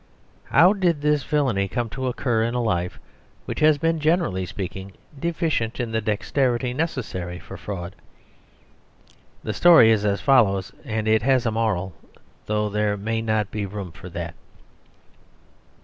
How did this villainy come to occur in a life which has been, generally speaking, deficient in the dexterity necessary for fraud? The story is as follows and it has a moral, though there may not be room for that.